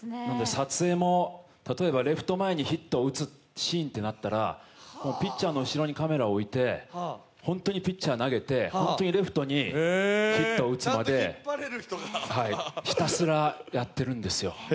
撮影も、レフト前にヒットを打つシーンになったら、ピッチャーを置いて本当にピッチャー投げて、本当にレフトにヒットを打つまでひたすらやっているんですよ